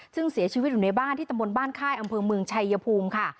ซึ่งเสียชีวิตอยู่ในบ้านที่ตำบลบ้านค่ายอำเภอเมืองชัยภูมิค่ะ